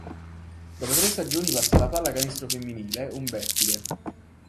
Dopo tre stagioni passa alla Pallacanestro Femminile Umbertide.